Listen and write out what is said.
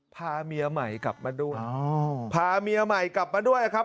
พาเมียใหม่กลับมาด้วยพาเมียใหม่กลับมาด้วยครับ